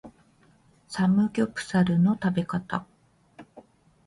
サムギョプサルの食べ方